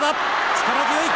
力強い。